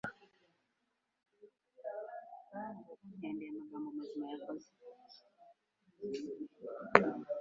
Tom yambajije niba nshaka kunywa